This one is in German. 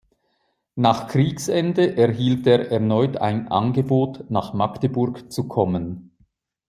Nach Kriegsende erhielt er erneut ein Angebot nach Magdeburg zu kommen.